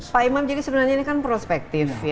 pak imam jadi sebenarnya ini kan prospektif